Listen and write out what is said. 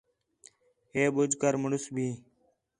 ہے ٻُجھ کر مُݨس بھی